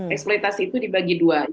eksploitasi itu dibagi dua